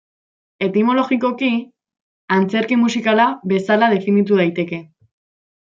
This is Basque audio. Etimologikoki, antzerki musikala bezala definitu daiteke.